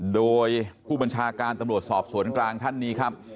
โดยผู้บัญชาการตำรวจสอบสวนกลางท่านนี้ครับ